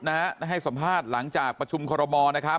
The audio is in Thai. ได้ให้สัมภาษณ์หลังจากประชุมคอลอมอ